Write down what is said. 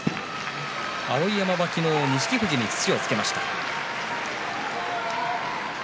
碧山は昨日錦富士に土をつけました。